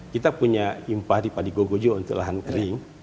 kita punya impari padi gogojo untuk lahan kering